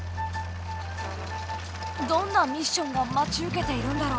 どんなミッションが待ち受けているんだろう？